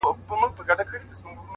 د مینانو د لښکرو قدر څه پیژني!!